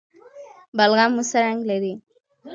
بلغم مو څه رنګ لري؟